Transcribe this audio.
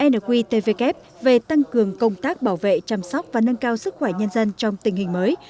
nqtvk về tăng cường công tác bảo vệ chăm sóc và nâng cao sức khỏe nhân dân trong tình hình mới